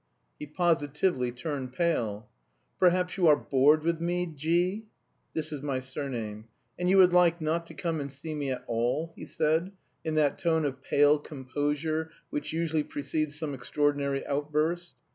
He positively turned pale. "Perhaps you are bored with me, G v (this is my surname), and you would like... not to come and see me at all?" he said in that tone of pale composure which usually precedes some extraordinary outburst.